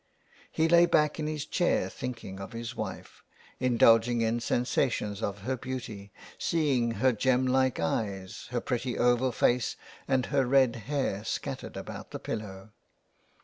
He lay back in his chair thinking of his wife — indulging in sensations of her beauty, seeing her gem like eyes, her pretty oval face, and her red hair scattered about the pillow.